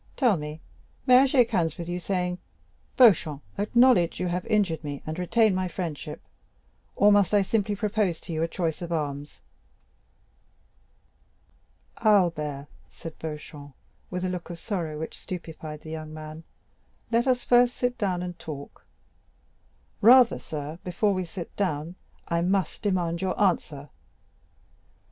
"Tell me, may I shake hands with you, saying, 'Beauchamp, acknowledge you have injured me, and retain my friendship,' or must I simply propose to you a choice of arms?" "Albert," said Beauchamp, with a look of sorrow which stupefied the young man, "let us first sit down and talk." "Rather, sir, before we sit down, I must demand your answer."